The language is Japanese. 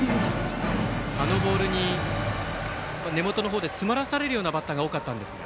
あのボールに根元の方で詰まらせられるようなバッターが多かったんですが。